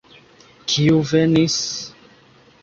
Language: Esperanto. Kiu venis?